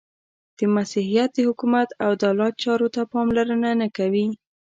• مسیحیت د حکومت او دولت چارو ته پاملرنه نهکوي.